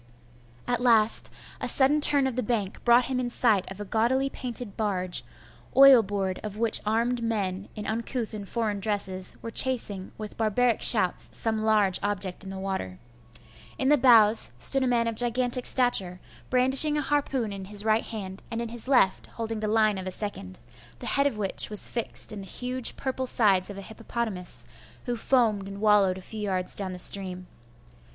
At last, a sudden turn of the bank brought him in sight of a gaudily painted barge, oil board of which armed men, in uncouth and foreign dresses, were chasing with barbaric shouts some large object in the water. In the bows stood a man of gigantic stature, brandishing a harpoon in his right hand, and in his left holding the line of a second, the head of which was fixed in the huge purple sides of a hippopotamus, who foamed and wallowed a few yards down the stream.